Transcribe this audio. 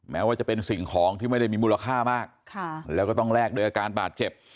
แม้ว่าจะเป็นสิ่งของที่ไม่ได้มีมูลค่ามากแล้วก็ต้องแลกด้วยอาการบาดเจ็บ